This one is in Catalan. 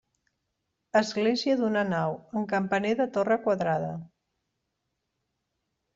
Església d'una nau, amb campaner de torre quadrada.